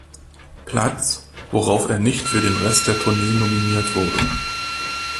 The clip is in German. Platz, worauf er nicht für den Rest der Tournee nominiert wurde.